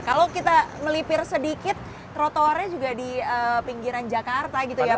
kalau kita melipir sedikit trotoarnya juga di pinggiran jakarta gitu ya pak